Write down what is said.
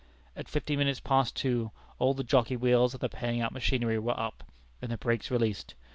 At fifteen minutes past two all the jockey wheels of the paying out machinery were up, and the brakes released.